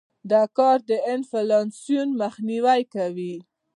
دا کار د انفلاسیون مخنیوى کوي.